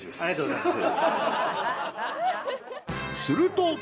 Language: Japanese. ［すると］